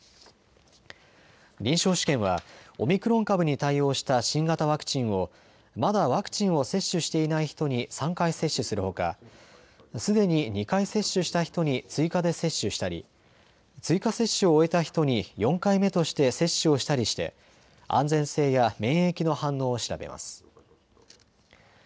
臨床試験はオミクロン株に対応した新型ワクチンをまだワクチンを接種していない人に３回接種するほかすでに２回接種した人に追加で接種したり追加接種を終えた人に４回目として接種をしたりして安全性や免疫の反応を調べます。